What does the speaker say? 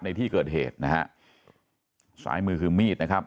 ในที่เกิดเหตุนะฮะซ้ายมือคือมีดนะครับ